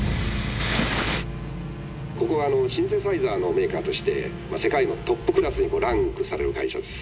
「ここはあのシンセサイザーのメーカーとして世界のトップクラスにランクされる会社です。